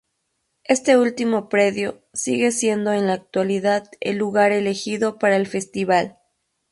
Este último predio sigue siendo en la actualidad el lugar elegido para el festival.